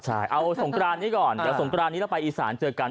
ใช่เอาสงกรานนี้ก่อนเดี๋ยวสงกรานนี้เราไปอีสานเจอกัน